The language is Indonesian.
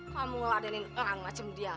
kamu ngeladenin engang macam dia